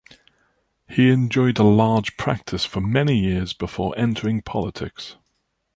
He enjoyed a large practice for many years before entering politics.